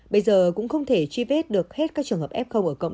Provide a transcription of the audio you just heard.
bây giờ cũng không thể truy vết được hết các trường hợp